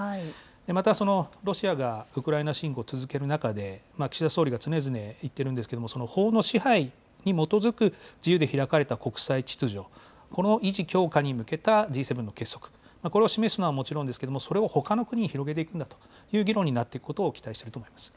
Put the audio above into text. また、ロシアがウクライナ侵攻を続ける中で、岸田総理が常々言ってるんですけれども、法の支配に基づく自由で開かれた国際秩序、この維持、強化に向けたＧ７の結束、これを示すのはもちろんですけれども、それをほかの国に広げていくんだという議論になることを期待しているんだと思います。